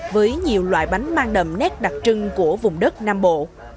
với nhiều loại bánh mang đậm nét đặc trưng của vùng đất nam bộ